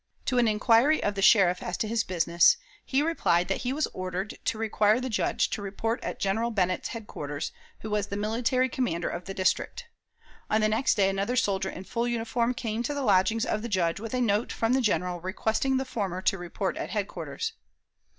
To an inquiry of the sheriff as to his business, he replied that he was ordered to require the Judge to report at General Bennet's headquarters, who was the military commander of the district. On the next day another soldier in full uniform came to the lodgings of the Judge with a note from the General requesting the former to report at headquarters.